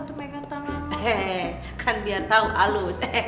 he he kan biar tau halus